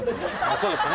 そうですね